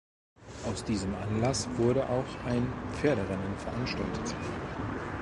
Aus diesem Anlass wurde auch ein Pferderennen veranstaltet.